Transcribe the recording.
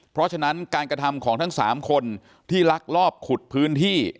เพราะฉะนั้นการกระทำของทั้ง๓คนที่ลักลอบขุดพื้นที่